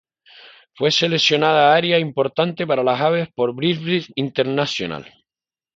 Fue seleccionada área importante para las aves por BirdLife International.